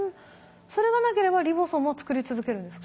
それがなければリボソームを作り続けるんですか？